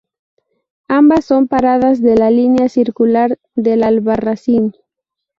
Ambas son paradas de la línea circular del Albarracín.